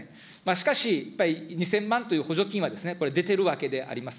しかし、やっぱり２０００万という補助金はこれ、出てるわけであります。